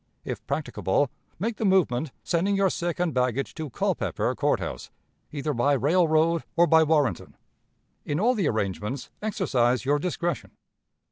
If practicable, make the movement, sending your sick and baggage to Culpepper Court House, either by railroad or by Warrenton. In all the arrangements, exercise your discretion.